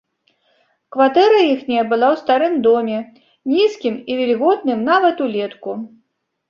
Кватэра іхняя была ў старым доме, нізкім і вільготным нават улетку.